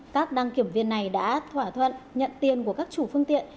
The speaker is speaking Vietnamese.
các đăng kiểm viên này đã thỏa thuận nhận tiền của các chủ phương tiện